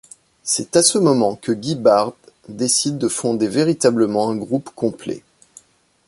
C’est à ce moment que Gibbard décide de fonder véritablement un groupe complet.